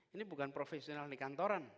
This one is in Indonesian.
ini bukan profesional di kantoran